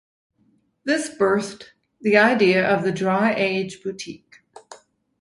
This birthed the idea of The Dry Age Boutique.